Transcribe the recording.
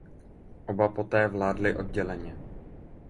Oba po té vládli odděleně.